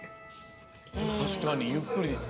たしかにゆっくり。